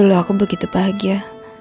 dulu aku begitu bahagia